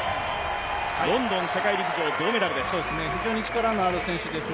ロンドン世界陸上銅メダルです。